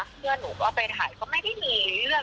แล้วก็มีเพื่อนนะเพื่อนหนูควรไปถ่ายก็ไม่ได้มีเรื่อง